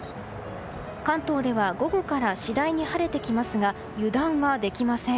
関東では午後から次第に晴れてきますが油断はできません。